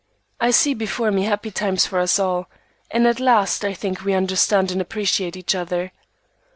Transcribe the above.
I see before me happy times for us all, and at last I think we understand and appreciate each other.